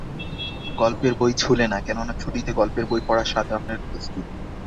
গল্পের বই ছুঁলে না, কেননা, ছুটিতে গল্পের বই পড়া সাধারণের দস্তুর।